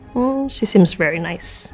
hmm dia terlihat sangat baik